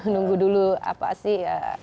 nunggu dulu apa sih